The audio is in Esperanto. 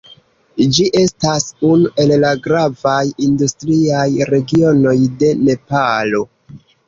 Ĝi estas unu el la gravaj industriaj regionoj de Nepalo.